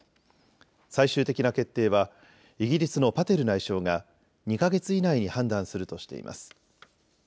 最終的な決定はイギリスのパテル内相が２か月以内に判断するとしています。